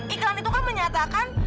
iklan itu kan menyatakan